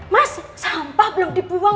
mas sampah belum dibuang